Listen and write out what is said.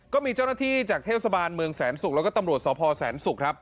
ก็มีเจ้าหน้าที่จากเทวสะบานเมืองแสนศุกร์และตำรวจสพแสนศุกร์